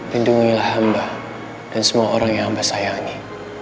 lindungilah hamba dan semua orang yang hamba sayangi